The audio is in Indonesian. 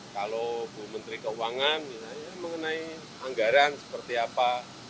kalau bu menteri keuangan misalnya mengenai anggaran seperti apa